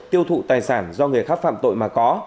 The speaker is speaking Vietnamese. tiêu thụ tài sản do người khác phạm tội mà có